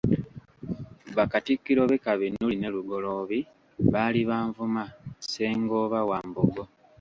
Bakatikkiro be Kabinuli ne Lugoloobi baali ba Nvuma, Ssengooba wa Mbogo.